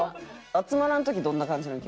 集まらん時どんな感じなん？